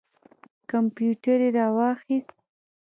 کمپیوټر یې را واخیست.